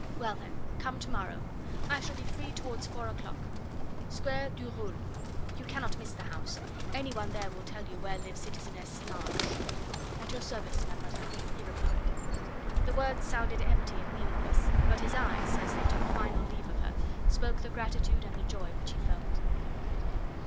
"Well, then, come to morrow. I shall be free towards four o'clock. Square du Roule. You cannot miss the house. Any one there will tell you where lives citizeness Lange." "At your service, mademoiselle," he replied. The words sounded empty and meaningless, but his eyes, as they took final leave of her, spoke the gratitude and the joy which he felt.